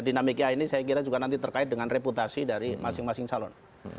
dinamika ini saya kira juga nanti terkait dengan reputasi dari masing masing calon